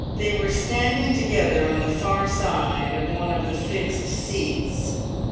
They were standing together on the far side of one of the fixed seats.